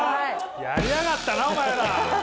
やりやがったなお前ら！